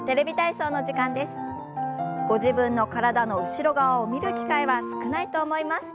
ご自分の体の後ろ側を見る機会は少ないと思います。